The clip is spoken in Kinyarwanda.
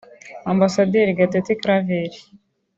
Ambasaderi Gatete Claver